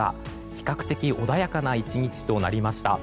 比較的穏やかな１日となりました。